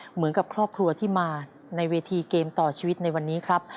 เหมือนกับครอบครัวที่มาในเวทีเกมต่อชีวิตในวันนี้ครับ